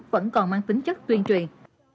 vẫn còn mang tính chất tuyên truyền